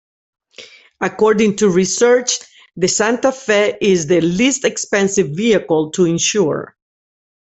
According to research, the Santa Fe is the least expensive vehicle to insure.